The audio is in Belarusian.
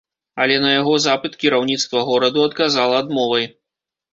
Але на яго запыт кіраўніцтва гораду адказала адмовай.